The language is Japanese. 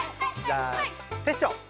じゃあテッショウ。